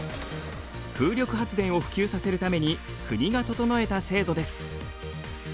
風力発電を普及させるために国が整えた制度です。